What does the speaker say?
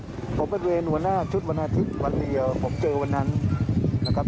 ผมไปเวรหัวหน้าชุดวันอาทิตย์วันเดียวผมเจอวันนั้นนะครับ